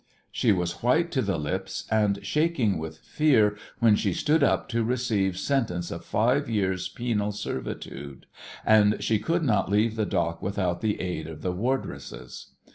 She was white to the lips and shaking with fear when she stood up to receive sentence of five years' penal servitude, and she could not leave the dock without the aid of the wardresses.